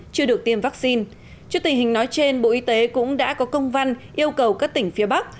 chưa được tiêm vaccine trước tình hình nói trên bộ y tế cũng đã có công văn yêu cầu các tỉnh phía bắc